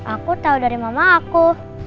aku tahu dari mama aku